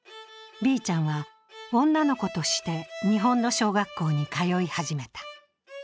Ｂちゃんは女の子として日本の小学校に通い始めた。